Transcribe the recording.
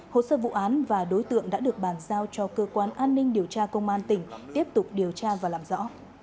hồ sơ vụ án và đối tượng đã được bàn giao cho cơ quan an ninh điều tra công an tỉnh tiếp tục điều tra và làm rõ